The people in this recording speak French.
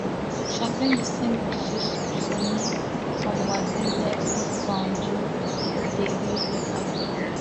Chacun de ces messieurs soupçonnait son voisin d'être vendu au terrible abbé.